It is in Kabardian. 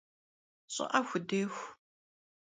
Ş'ı'e sxudêxu.